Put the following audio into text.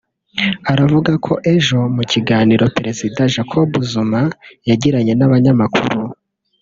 aravuga ko ejo mu kiganiro Perezida Jacob Zuma yagiranye n’ abanyamakuru